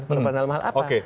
berperan dalam hal apa